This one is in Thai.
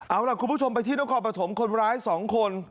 เอาล่ะคุณผู้ชมไปที่ต้องขอประถมคนร้ายสองคน